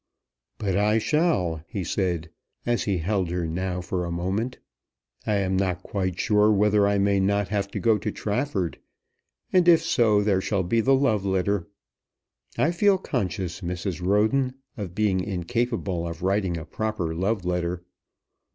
"But I shall," he said, as he held her now for a moment. "I am not quite sure whether I may not have to go to Trafford; and if so there shall be the love letter. I feel conscious, Mrs. Roden, of being incapable of writing a proper love letter.